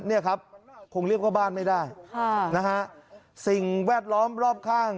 เนี่ยครับคงเรียกว่าบ้านไม่ได้ค่ะนะฮะสิ่งแวดล้อมรอบข้าง